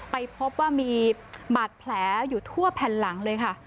ไปพบว่ามีบาดแผลอยู่ทั่วแผ่นหลังเลยค่ะ